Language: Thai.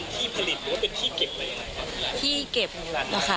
ที่นี่เป็นที่ผลิตหรือเป็นที่เก็บอะไรอย่างไร